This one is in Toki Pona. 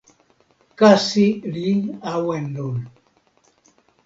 kasi li awen lon.